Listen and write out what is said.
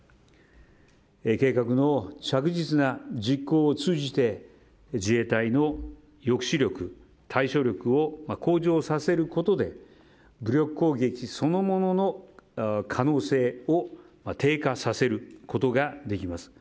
計画の着実な実行を通じて自衛隊の抑止力、対処力を向上させることで武力攻撃そのものの可能性を低下させることができます。